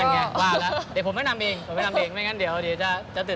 มีใครบ้างแนะนำตัวอย่างนี้